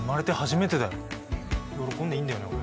喜んでいいんだよね俺。